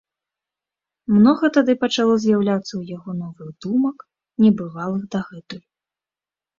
Многа тады пачало з'яўляцца ў яго новых думак, небывалых дагэтуль.